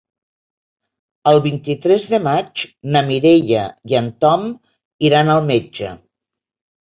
El vint-i-tres de maig na Mireia i en Tom iran al metge.